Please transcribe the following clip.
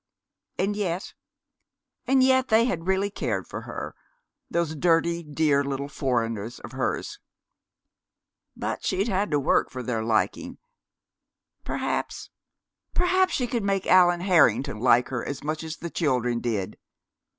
And yet and yet they had really cared for her, those dirty, dear little foreigners of hers. But she'd had to work for their liking.... Perhaps perhaps she could make Allan Harrington like her as much as the children did.